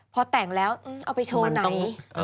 พอแต่งแล้วเอาไปโชว์ไหน